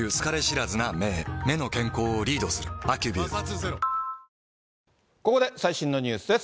さらに、ここで最新のニュースです。